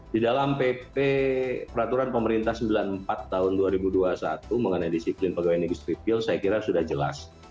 di dalam pp peraturan pemerintah sembilan puluh empat tahun dua ribu dua puluh satu mengenai disiplin pegawai negeri sipil saya kira sudah jelas